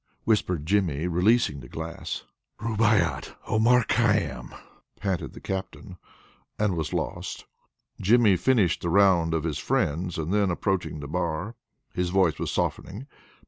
whispered Jimmy, releasing the glass. "Rubaiyat, Omar Khayyam," panted the Captain, and was lost. Jimmy finished the round of his friends, and then approached the bar. His voice was softening.